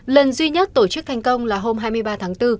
lần duy nhất tổ chức thành công là hôm hai mươi ba tháng bốn